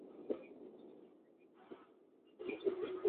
市人民政府驻尚志镇。